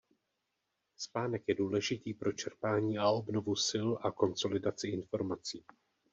Spánek je důležitý pro čerpání a obnovu sil a konsolidaci informací.